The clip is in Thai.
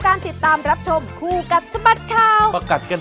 โปรดติดตามตอนต่อไป